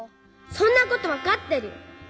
そんなことわかってる！